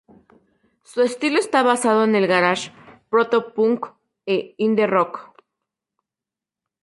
Su estilo esta basado en el garage, proto punk e Indie rock.